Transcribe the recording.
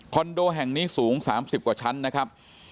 คอนโดแห่งนี้สูงสามสิบกว่าชั้นนะครับ